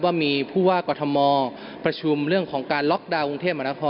ว่ามีผู้ว่ากรทมประชุมเรื่องของการล็อกดาวนกรุงเทพมหานคร